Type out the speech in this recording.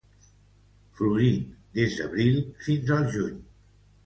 Florint des d'abril fins al juny.